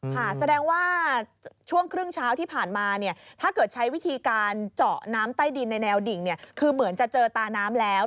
แสดงว่าช่วงครึ่งเช้าที่ผ่านมาเนี่ยถ้าเกิดใช้วิธีการเจาะน้ำใต้ดินในแนวดิ่งเนี่ยคือเหมือนจะเจอตาน้ำแล้ว